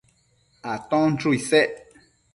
Aton chuchu isec